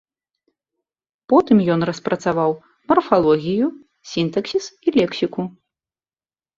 Потым ён распрацаваў марфалогію, сінтаксіс і лексіку.